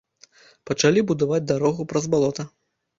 Пачалі будаваць дарогу праз балота.